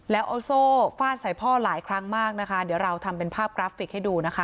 แล้วเอาโซ่ฟาดใส่พ่อหลายครั้งมากนะคะเดี๋ยวเราทำเป็นภาพกราฟิกให้ดูนะคะ